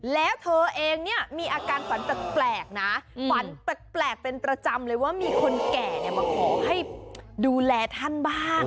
แล้วเธอเองเนี่ยมีอาการฝันแปลกนะฝันแปลกเป็นประจำเลยว่ามีคนแก่มาขอให้ดูแลท่านบ้าง